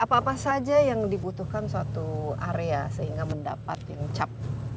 apa apa saja yang dibutuhkan suatu area sehingga mendapat yang cap